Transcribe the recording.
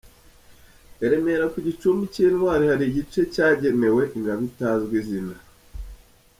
I Remera ku gicumbi cy'Intwari hari igice cyagenewe Ingabo itazwi izina.